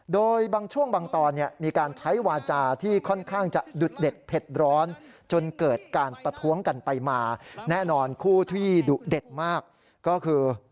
โดยบางช่วงบางตอนเนี่ยมีการใช้วาจาที่ค่อนข้างจะดุดเด็ดเผ็ดร้อนจนเกิดการประท้วงกันไปมาแน่นอนคู่ที่ดุเด็ดมากก็คือ